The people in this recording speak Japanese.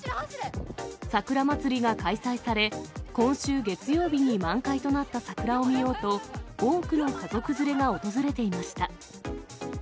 桜まつりが開催され、今週月曜日に満開となった桜を見ようと、多くの家族連れが訪れていました。